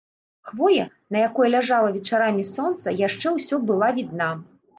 Хвоя, на якой ляжала вечарамі сонца, яшчэ ўсё была відна.